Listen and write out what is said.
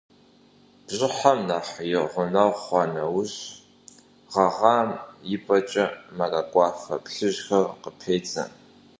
Бжьыхьэм нэхъ и гъунэгъу хъуа нэужь, гъэгъам и пӀэкӀэ мэракӀуафэ плъыжьхэр къыпедзэ.